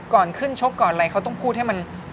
ก่อนขึ้นชกก่อนอะไรเขาต้องพูดให้มัน